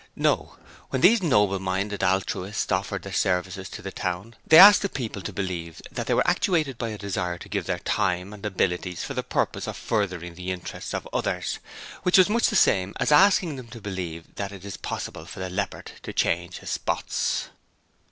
No! When these noble minded altruists offered their services to the town they asked the people to believe that they were actuated by a desire to give their time and abilities for the purpose of furthering the interests of Others, which was much the same as asking them to believe that it is possible for the leopard to change his spots.